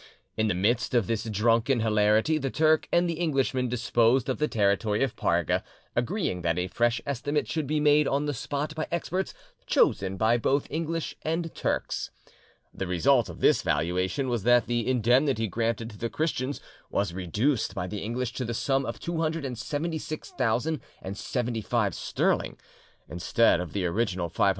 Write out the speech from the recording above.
In the midst of this drunken hilarity the Turk and the Englishman disposed of the territory of Parga; agreeing that a fresh estimate should be made on the spot by experts chosen by both English and Turks. The result of this valuation was that the indemnity granted to the Christians was reduced by the English to the sum of 276,075 sterling, instead of the original 500,000.